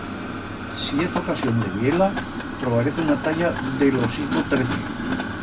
Si hez ocasión de vier-la, trobarez una talla de lo siglo trece.